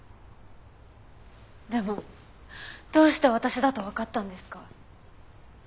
でもどうして私だとわかったんですか？